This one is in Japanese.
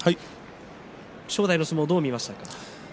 正代の相撲をどう見ましたか。